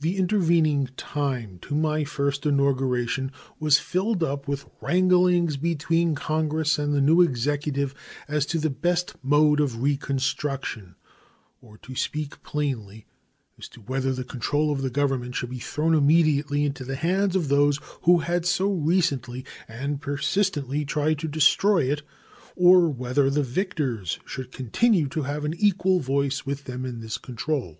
The intervening time to my first inauguration was filled up with wranglings between Congress and the new Executive as to the best mode of "reconstruction," or, to speak plainly, as to whether the control of the Government should be thrown immediately into the hands of those who had so recently and persistently tried to destroy it, or whether the victors should continue to have an equal voice with them in this control.